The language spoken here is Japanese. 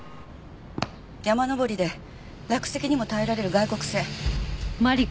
山登りで落石にも耐えられる外国製。